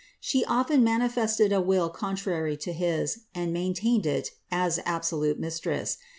She often manifested a will contrary to his, and maintained it, as absolute mistress.